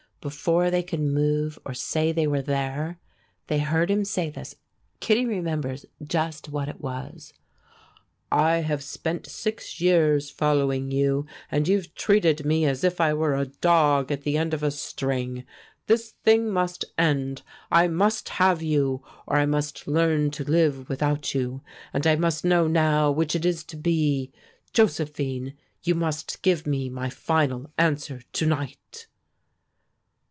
Before they could move or say they were there, they heard him say this Kittie remembers just what it was: "I have spent six years following you, and you've treated me as if I were a dog at the end of a string. This thing must end. I must have you, or I must learn to live without you, and I must know now which it is to be. Josephine, you must give me my final answer to night."